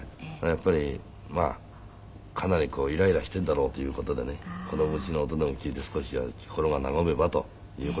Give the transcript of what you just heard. やっぱりまあかなりイライラしているんだろうという事でねこの虫の音でも聞いて少しは心が和めばという事で。